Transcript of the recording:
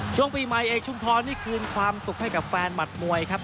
ช่วงปีใหม่เอกชุมพรนี่คืนความสุขให้กับแฟนหมัดมวยครับ